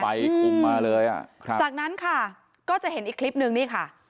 คุมมาเลยอ่ะครับจากนั้นค่ะก็จะเห็นอีกคลิปนึงนี่ค่ะ